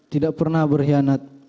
tidak pernah berkhianat